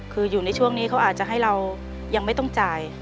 คืออยู่ในช่วงนี้เขาอาจจะให้เรายังไม่ต้องจ่าย